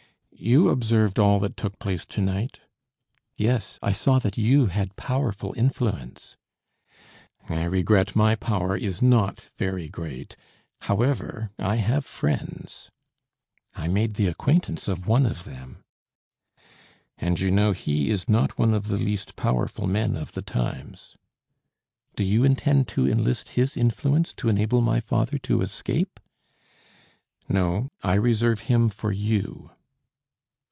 "You observed all that took place to night?" "Yes. I saw that you had powerful influence." "I regret my power is not very great. However, I have friends." "I made the acquaintance of one of them." "And you know he is not one of the least powerful men of the times." "Do you intend to enlist his influence to enable my father to escape?" "No, I reserve him for you."